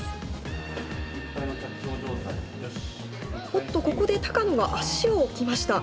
おっとここで高野が足を置きました。